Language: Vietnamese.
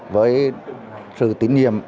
với sự tín nhiệm